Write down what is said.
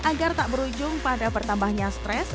agar tak berujung pada bertambahnya stres